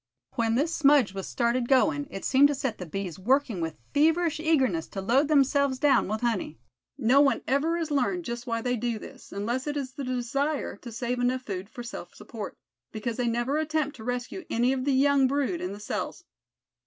When this smudge was started going it seemed to set the bees working with feverish eagerness to load themselves down with honey. No one ever has learned just why they do this, unless it is the desire to save enough food for self support; because they never attempt to rescue any of the young brood in the cells.